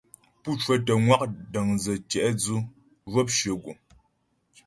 Pú cwətə ŋwa' dəndzə̀ tyɛ̌'dzʉ zhwɔp shyə guŋ.